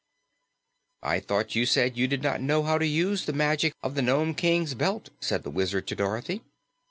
"I thought you said you did not know how to use the magic of the Nome King's Belt," said the Wizard to Dorothy.